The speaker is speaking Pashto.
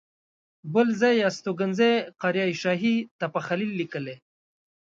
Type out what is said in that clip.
بل ځای یې استوګنځی قریه شاهي تپه خلیل لیکلی.